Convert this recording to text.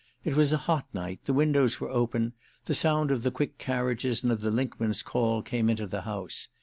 It was a hot night, the windows were open, the sound of the quick carriages and of the linkmen's call came into the house.